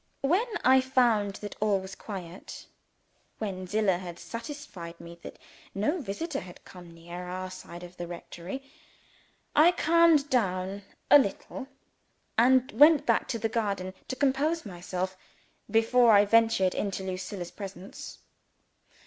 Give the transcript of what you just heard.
When I found that all was quiet when Zillah had satisfied me that no visitor had come near our side of the rectory I calmed down a little, and went back to the garden to compose myself before I ventured into Lucilla's presence.